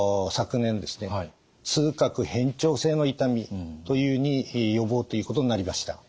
痛覚変調性の痛みというふうに呼ぼうということになりました。